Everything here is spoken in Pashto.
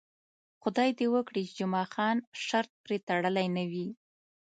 خدای دې وکړي چې جمعه خان شرط پرې تړلی نه وي.